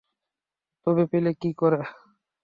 তবে পেলে কী করে।